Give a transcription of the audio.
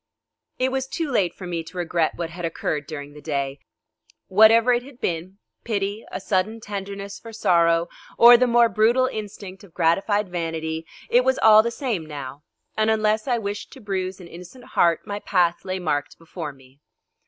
It was too late for me to regret what had occurred during the day. Whatever it had been, pity, a sudden tenderness for sorrow, or the more brutal instinct of gratified vanity, it was all the same now, and unless I wished to bruise an innocent heart, my path lay marked before me.